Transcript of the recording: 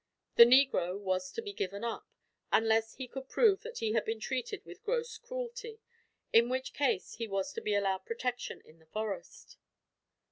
The negro was to be given up, unless he could prove that he had been treated with gross cruelty, in which case he was to be allowed protection in the forest.